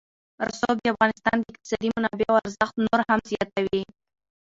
رسوب د افغانستان د اقتصادي منابعو ارزښت نور هم زیاتوي.